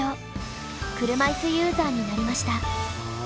車いすユーザーになりました。